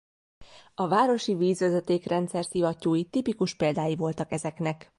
A városi vízvezeték rendszer szivattyúi tipikus példái voltak ezeknek.